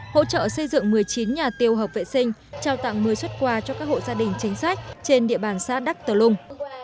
hỗ trợ xây dựng một mươi chín nhà tiêu hợp vệ sinh trao tặng một mươi xuất quà cho các hộ gia đình chính sách trên địa bàn xã đắc tờ lung